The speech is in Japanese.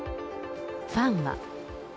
ファンは。